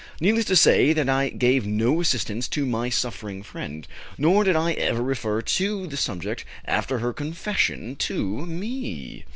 Needless to say that I gave no assistance to my suffering friend, nor did I ever refer to the subject after her confession to me.